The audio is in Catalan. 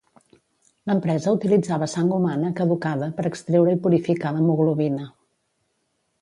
L'empresa utilitzava sang humana caducada per extreure i purificar l'hemoglobina.